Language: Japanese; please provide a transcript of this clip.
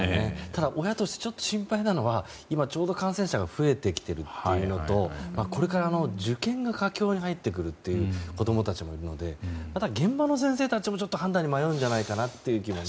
ただ、親として心配なのは今、ちょうど感染者が増えてきているというのとこれから受験が佳境に入ってくるという子供たちもいるので現場の先生たちもちょっと判断に迷うんじゃないかという気も。